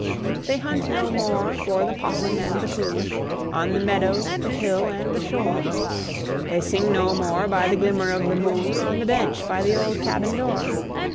They hunt no more for the 'possum and the coon, On the meadow, the hill, and the shore; They sing no more by the glimmer of the moon, On the bench by the old cabin door.